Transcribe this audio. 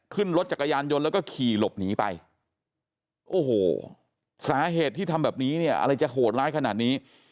ขึ้นรถจักรยานยนต์แล้วก็ขี่หลบหนีไปโอ้โหสาเหตุที่ทำแบบนี้เนี่ยอะไรจะโหดร้ายขนาดนี้